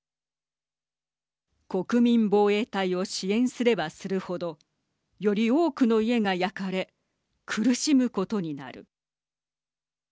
国民防衛隊を支援すればする程より多くの家が焼かれ苦しむことになる。